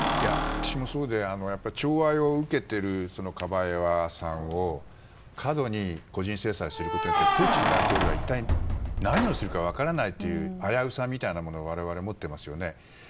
私もそうで、寵愛を受けているカバエワさんを過度に個人制裁することによってプーチン大統領が一体何をするか分からないという危うさみたいなものを我々持っていますね。